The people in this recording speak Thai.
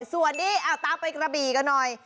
ส่วนนี้ตามไปกระบี่กันหน่อย